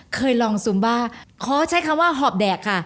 เคยลองซุมบ้าขอใช้คำว่าหอบแดกค่ะ